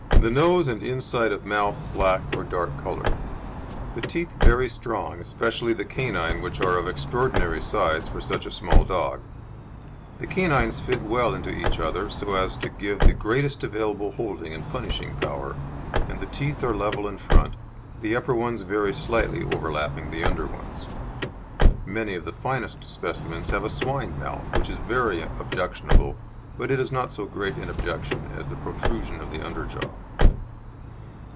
The nose and inside of mouth black or dark coloured. The teeth very strong, especially the canine, which are of extraordinary size for such a small dog. The canines fit well into each other, so as to give the greatest available holding and punishing power, and the teeth are level in front, the upper ones very slightly overlapping the under ones. (Many of the finest specimens have a "swine mouth," which is very objectionable, but it is not so great an objection as the protrusion of the under jaw.)